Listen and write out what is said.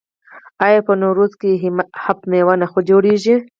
آیا په نوروز کې هفت میوه نه جوړیږي؟